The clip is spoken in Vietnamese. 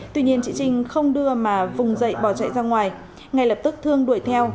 tuy nhiên chị trinh không đưa mà vùng dậy bỏ chạy ra ngoài ngay lập tức thương đuổi theo